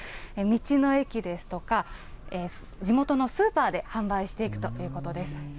道の駅ですとか、地元のスーパーで販売していくということです。